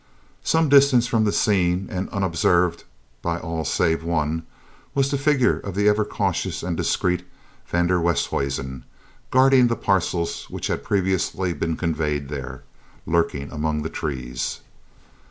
Some distance from the scene, and unobserved by all save one, was the figure of the ever cautious and discreet van der Westhuizen, guarding the parcels which had previously been conveyed there, lurking among the trees.